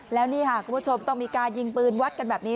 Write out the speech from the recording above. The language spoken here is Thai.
แล้วนี่ค่ะคุณผู้ชมต้องมีการยิงปืนวัดกันแบบนี้